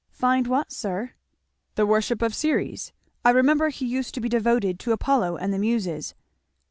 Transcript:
"Find what, sir?" "The worship of Ceres? I remember he used to be devoted to Apollo and the Muses."